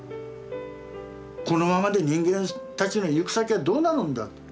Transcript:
このままで人間たちの行く先はどうなるんだと。